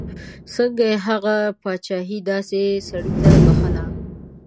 څنګه یې هغه پاچهي داسې سړي ته بخښله.